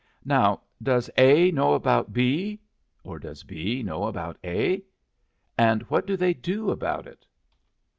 Now, does A know about B? or does B know about A? And what do they do about it?"